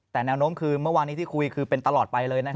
แต่แนวโน้มคือเมื่อวานนี้ที่คุยคือเป็นตลอดไปเลย